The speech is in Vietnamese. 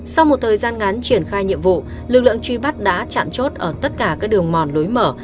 sau một thời gian ngắn triển khai nhiệm vụ lực lượng truy bắt đã chặn chốt ở tất cả các đường mòn lối mở